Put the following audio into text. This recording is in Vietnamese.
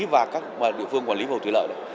và các địa phương quản lý hồ thủy lợi này